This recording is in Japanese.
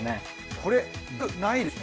これ具ないですね。